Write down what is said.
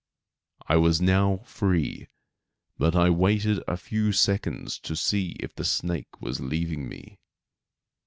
I was now free, but I waited a few seconds to see if the snake was leaving me.